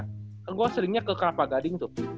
kan gue seringnya ke krapagading tuh